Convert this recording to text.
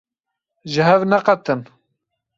Ji hev neqetin!